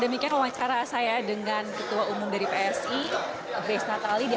demikian wawancara saya dengan ketua umum dari psi grace natali